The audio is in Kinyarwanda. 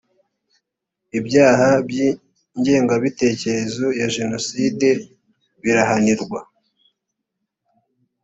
ibyaha by’ingengabitekerezo ya jenoside birahanirwa